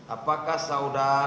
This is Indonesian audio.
apakah saudara lancar